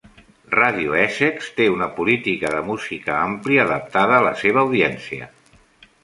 Ràdio Essex té una política de música àmplia, adaptada a la seva audiència.